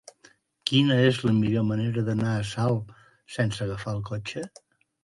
Quina és la millor manera d'anar a Salt sense agafar el cotxe?